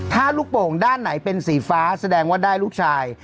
ถ้าลูกโป่งด้านไหนเป็นสีฟ้าแสดงว่าได้ลูกชาย